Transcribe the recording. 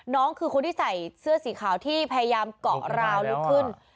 น้องคือคนที่ใส่เสื้อสีขาวที่พยายามเกาะราวลุกขึ้น